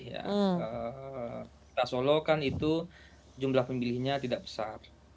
kita solo kan itu jumlah pemilihnya tidak besar